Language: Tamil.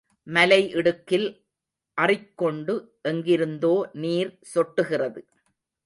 மலை இடுக்கில் அறிக்கொண்டு எங்கிருந்தோ நீர் சொட்டுகிறது.